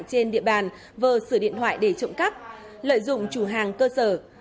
trên địa bàn vờ sử điện thoại để trộm cắp lợi dụng chủ hàng cơ sở